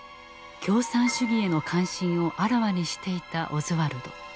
共産主義への関心をあらわにしていたオズワルド。